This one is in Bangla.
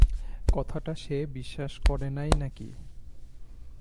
কথাটা সে বিশ্বাস করে নাই নাকি?